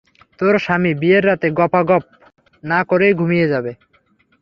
তোর স্বামী বিয়ের রাতে, গপাগপ না করেই ঘুমিয়ে যাবে।